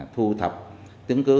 thu thập chứng cứ